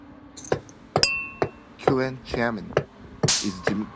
Its current chairman is Jim Clynes.